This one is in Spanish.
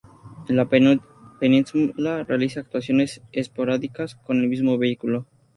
En la Península realiza actuaciones esporádicas con el mismo vehículo.